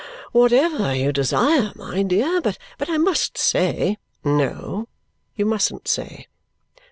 "Whatever you desire, my dear. But, I must say " "No, you mustn't say!